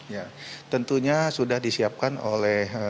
ya tentunya sudah disiapkan oleh